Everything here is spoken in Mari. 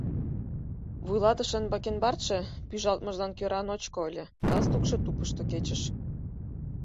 Вуйлатышын бакенбардше пӱжалтмыжлан кӧра ночко ыле, галстукшо тупышто кечыш.